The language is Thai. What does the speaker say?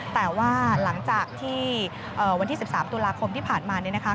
แต่ว่าหลังจากที่วันที่๑๓ตุลาคมที่ผ่านมาเนี่ยนะคะ